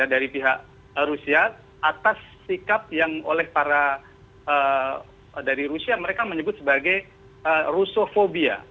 dari pihak rusia atas sikap yang oleh para dari rusia mereka menyebut sebagai rusofobia